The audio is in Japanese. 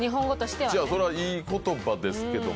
それはいい言葉ですけども。